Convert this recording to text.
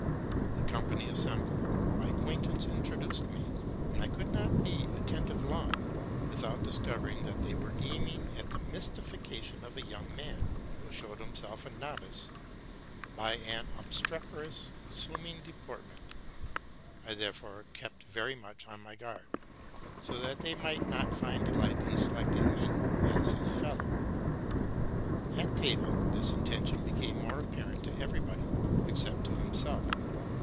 The company assembled ; my acquaintance introduced me ; and I could not be attentive long, without discovering that they were aiming at the mystification of a young man, who showed himself a novice by an obstreperous, assuming deportment: I there fore kept very much on my guard, so that they might not find delight in selecting me as his fellow. At table this intention became more apparent to everybody, except to himself.